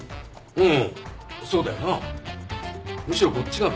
うん。